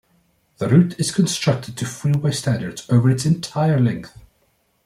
The route is constructed to freeway standards over its entire length.